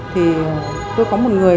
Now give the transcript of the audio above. thì tôi có một người